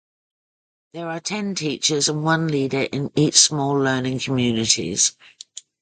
There are ten teachers and one leader in each Small Learning Communities.